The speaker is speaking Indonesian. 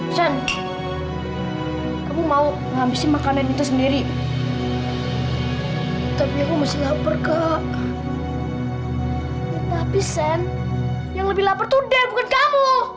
sen kamu mau ngambek makan itu sendiri tapi aku masih lapar kak tapi sen yang lebih lapar